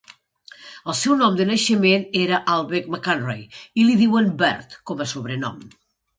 El seu nom de naixement era Albert McIntyre i li diuen "Bird" com a sobrenom.